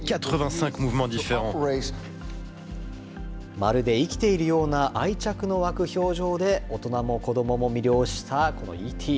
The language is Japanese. まるで生きているような愛着の湧く表情で大人も子どもも魅了したこのＥ．Ｔ．。